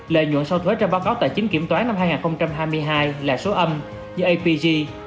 lợi nhuận sau thuế trong báo cáo tài chính kiểm toán năm hai nghìn hai mươi hai là số âm như apg